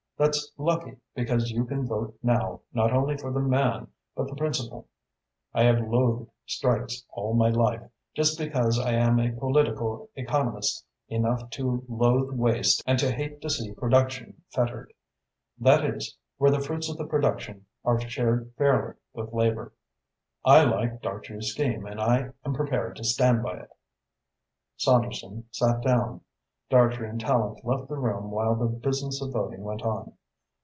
That's lucky, because you can vote now not only for the man but the principle. I have loathed strikes all my life, just because I am political economist enough to loathe waste and to hate to see production fettered, that is, where the fruits of the production are shared fairly with Labour. I like Dartrey's scheme and I am prepared to stand by it." Saunderson sat down. Dartrey and Tallente left the room while the business of voting went on.